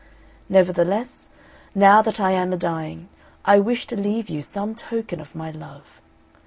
Nevertheless, now that I am a dying, I wish to leave you some token of my love.